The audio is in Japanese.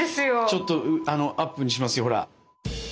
ちょっとアップにしますよほら。